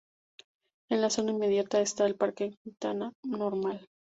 En la zona inmediata, está el Parque Quinta Normal.